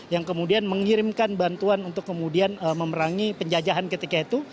yang kemudian mengirimkan bantuan untuk kemudian memerangi penjajahan ketika itu